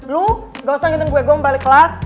lo gak usah ngantuin gue gue mau balik kelas